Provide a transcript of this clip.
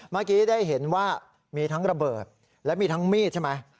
เมื่อกี้ได้เห็นว่ามีทั้งระเบิดและมีทั้งมีดใช่ไหม